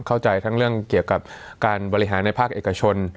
เข้าใจทั้งเรื่องเกี่ยวกับการบริหารในภาคเอกชน